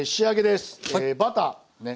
バターね。